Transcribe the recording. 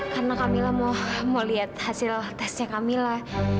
karena kamila mau lihat hasil tesnya kamila